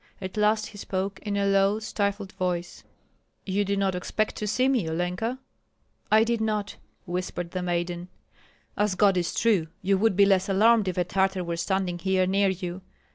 At last he spoke in a low, stifled voice, "You did not expect to see me, Olenka?" "I did not," whispered the maiden. "As God is true! you would be less alarmed if a Tartar were standing here near you.